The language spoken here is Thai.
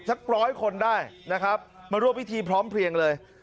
สักร้อยคนได้นะครับมาร่วมพิธีพร้อมเพลียงเลย